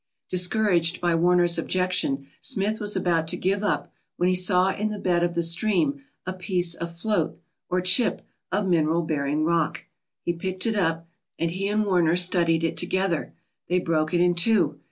" Discouraged by Warner's objection, Smith was about to give up when he saw in the bed of the stream a piece of float or chip of mineral bearing rock. He picked it up and he and Warner studied it together. They broke it in two.